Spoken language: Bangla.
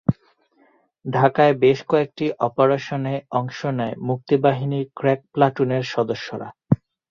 ঢাকায় বেশ কয়েকটি অপারেশনে অংশ নেয় মুক্তিবাহিনীর ক্র্যাক প্লাটুনের সদস্যরা।